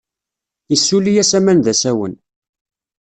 Issuli-as aman d asawen.